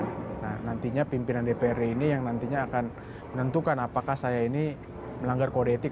nah nantinya pimpinan dprd ini yang nantinya akan menentukan apakah saya ini melanggar kode etik